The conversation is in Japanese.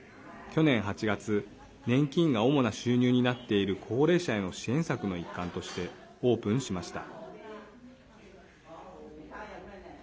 去年８月年金が主な収入になっている高齢者への支援策の一環としてオープンしました。